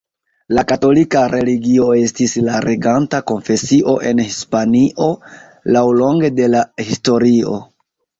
La katolika religio estis la reganta konfesio en Hispanio laŭlonge de la historio.